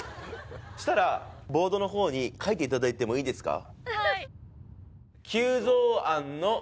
ボードのほうに書いていただいてもいいですか？